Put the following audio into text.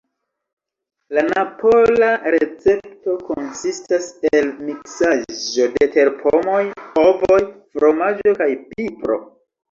La napola recepto konsistas el miksaĵo de terpomoj, ovoj, fromaĝo kaj pipro.